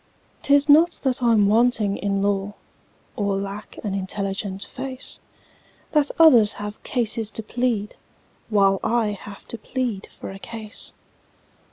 "'Tis not that I'm wanting in law, Or lack an intelligent face, That others have cases to plead, While I have to plead for a case.